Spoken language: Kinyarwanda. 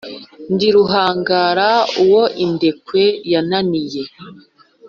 ndi ruhangara uwo indekwe yananiye,